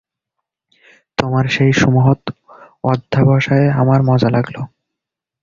তোমার সেই সুমহৎ অধ্যবসায়ে আমার মজা লাগল।